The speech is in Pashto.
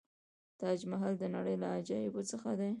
تاج محل د نړۍ له عجایبو څخه دی.